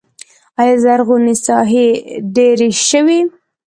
آیا زرغونې ساحې ډیرې شوي؟